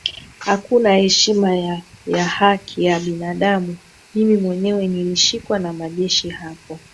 hakuna heshima ya ya haki ya binadamu mimi mwenyewe nilishikwa na majeshi hapo